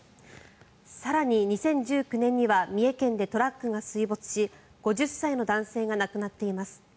更に２０１９年には三重県でトラックが水没し５０歳の男性が亡くなっています。